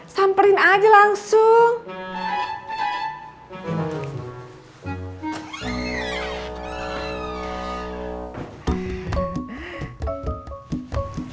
samperin aja langsung